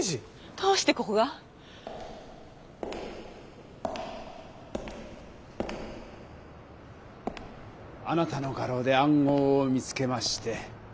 どうしてここが？あなたの画廊で暗号を見つけまして。